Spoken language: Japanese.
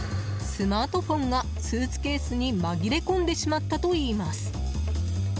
スマートフォンがスーツケースに紛れ込んでしまったといいます。